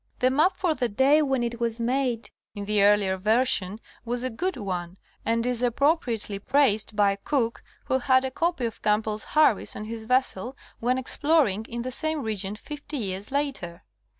The map for the day when it was made (in the earlier version) was a good one, and is appropriately praised by Cook, who had a copy of Campbell's Harris on his vessel when exploring in the same region fifty years later.